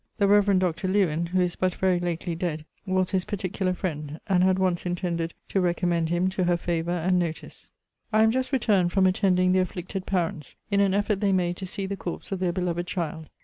The reverend Dr. Lewen, who is but very lately dead, was his particular friend, and had once intended to recommend him to her favour and notice. I am just returned from attending the afflicted parents, in an effort they made to see the corpse of their beloved child.